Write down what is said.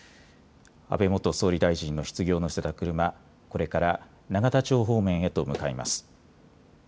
安倍元総理大臣のひつぎを乗せた車、これから永田町方面へと向かいます。